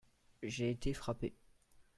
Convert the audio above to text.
J'ai été frappé.